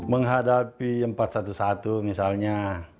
menghadapi empat ratus sebelas misalnya